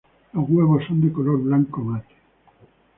Los huevos son de color blanco mate.